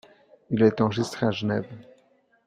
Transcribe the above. Il a été enregistré à Genève.